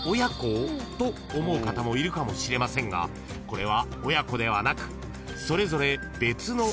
［と思う方もいるかもしれませんがこれは親子ではなくそれぞれ］